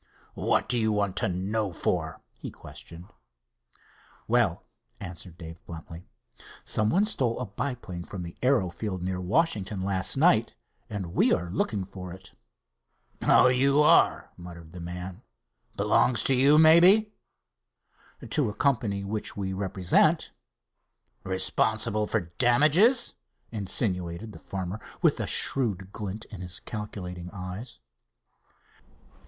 "What do you want to know for?" he questioned. "Well," answered Dave, bluntly, "someone stole a biplane from the aero field, near Washington, last night, and we are looking for it." "Oh, you are?" muttered the man. "Belongs to you, maybe?" "To a company which we represent." "Responsible for damages?" insinuated the farmer, with a shrewd glint in his calculating eyes.